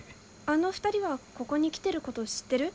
あの２人はここに来てること知ってる？